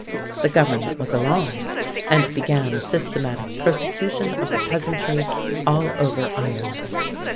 The government was alarmed, and began a systematic persecution of the peasantry all over Ireland.